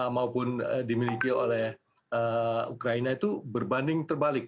maupun dimiliki oleh ukraina itu berbanding terbalik